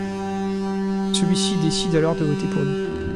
Celui-ci décide alors de voter pour lui.